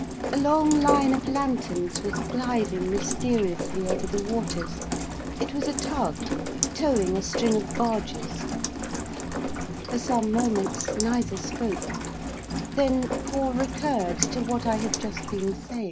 A long line of lanterns was gliding mysteriously over the waters; it was a tug towing a string of barges. For some moments neither spoke. Then Paul recurred to what I had just been saying. [IMAGE: images/img_187.